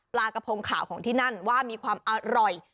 ปลากระพงขาวของที่นั่นว่ามีความอร่อย